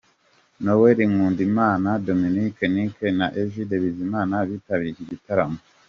Noel Nkundimana, Dominic Nic na Egide Bizima bitabiriye iki gitaramo.